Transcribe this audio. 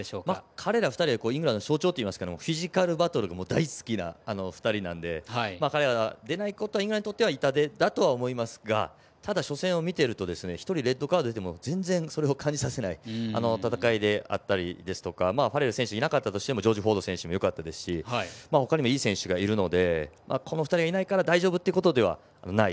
彼ら２人はイングランドの象徴というかフィジカルバトルが大好きな２人なので彼らが出ないことはイングランドにとっては痛手かと思いますが初戦を見てると１人レッドカード出ても全然、それを感じさせない戦いであったりとかファレル選手いなかったとしてもジョージ・フォード選手もよかったですしこの２人がいないから大丈夫ということではない。